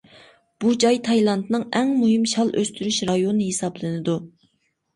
بۇ جاي تايلاندنىڭ ئەڭ مۇھىم شال ئۆستۈرۈش رايونى ھېسابلىنىدۇ.